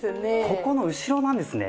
ここの後ろなんですね。